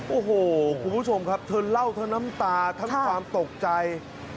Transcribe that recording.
โอ้โหคุณผู้ชมครับเธอเล่าทั้งน้ำตาทั้งความตกใจ